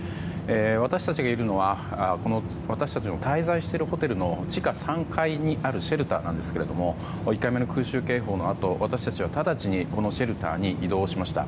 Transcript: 私たちがいるのは私たちが滞在しているホテルの地下３階にあるシェルターなんですが１回目の空襲警報のあと私たちは直ちにこのシェルターに移動しました。